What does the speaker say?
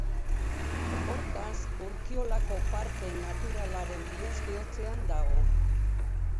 Hortaz, Urkiolako Parke Naturalaren bihotz-bihotzean dago.